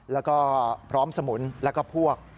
แล้วก็พร้อมสมุนแล้วก็พวก